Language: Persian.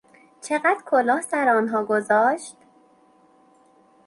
چقدر کلاه سرآنها گذاشت؟